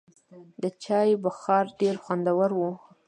د چای بخار ډېر خوندور و.